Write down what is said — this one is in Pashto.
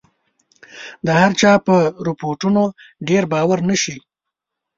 د هرچا په رپوټونو ډېر باور نه شي.